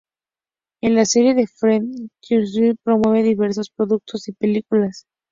En la serie de "Fred", Cruikshank promueve diversos productos y películas.